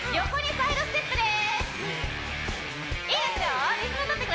サイドステップです